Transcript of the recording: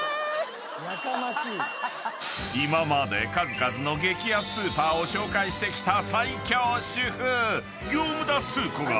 ［今まで数々の激安スーパーを紹介してきた最強主婦業務田スー子が］